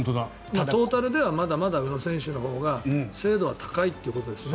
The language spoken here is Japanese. トータルではまだまだ宇野選手のほうが精度は高いということですね。